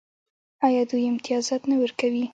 آیا دوی امتیازات نه ورکوي؟